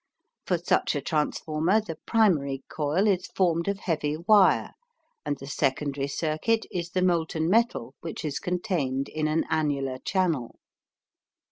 For such a transformer the primary coil is formed of heavy wire and the secondary circuit is the molten metal which is contained in an annular channel.